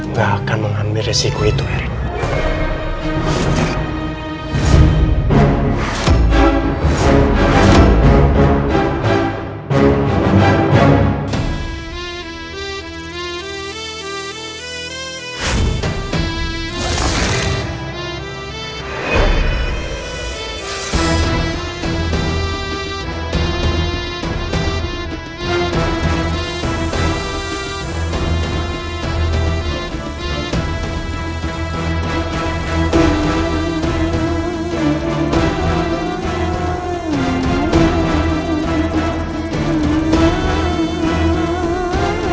nggak akan mengambil resiko itu erik